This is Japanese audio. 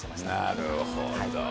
なるほど。